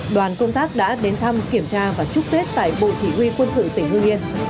đoàn công tác đã đến thăm kiểm tra và chúc tết tại bộ chỉ huy quân sự tỉnh hương yên